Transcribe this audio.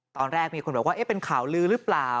ตอนแรกมีคนบอกว่าเป็นข่าวลือหรือเปล่า